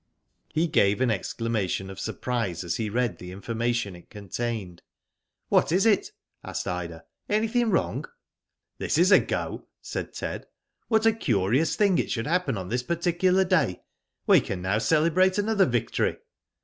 He gave an exclamation qf surprise, as he read the information it contained. ''What is it?" asked Ida. ''Anything wrong?" " This is a go," said Ted. " What a curious thing it should happen on this particular day. We can now celebrate another victory."